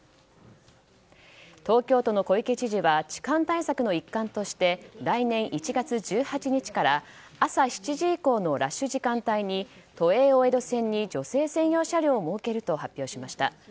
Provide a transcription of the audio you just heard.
東京都の小池知事は痴漢対策の一環として来年１月１８日から朝７時以降のラッシュ時間帯に都営大江戸線に女性専用車両を設けると発表しました。